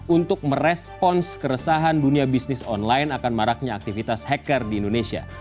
untuk merespons keresahan dunia bisnis online akan maraknya aktivitas hacker di indonesia